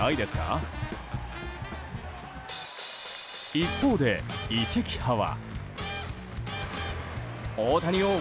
一方で移籍派は。